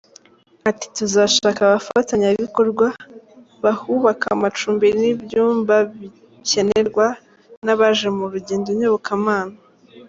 Ati “Tuzashaka abafatanyabikorwa bahubaka amacumbi n’ibyumba bikenerwa n’abaje mu rugendo nyobokamana.